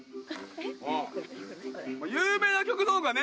うん有名な曲の方がね